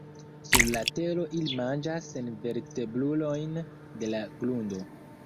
Sur la tero ili manĝas senvertebrulojn de la grundo.